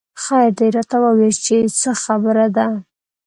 خېر دۍ راته وويه چې څه خبره ده